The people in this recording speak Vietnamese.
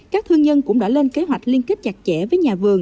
các thương nhân cũng đã lên kế hoạch liên kết chặt chẽ với nhà vườn